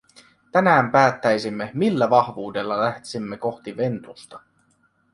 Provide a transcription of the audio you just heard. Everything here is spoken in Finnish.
Tänään päättäisimme, millä vahvuudella lähtisimme kohti Ventusta.